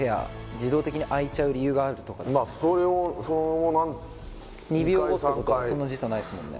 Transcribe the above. もう一部屋２秒後ってことはそんな時差ないですもんね